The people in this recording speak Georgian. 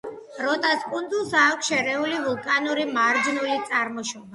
როტას კუნძულს აქვს შერეული ვულკანური და მარჯნული წარმოშობა.